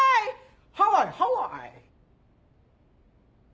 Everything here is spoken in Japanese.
ハワイハワイ。